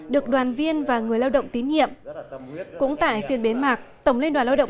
được đoàn viên và người lao động tín nhiệm cũng tại phiên bế mạc tổng liên đoàn lao động